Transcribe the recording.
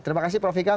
terima kasih prof ikang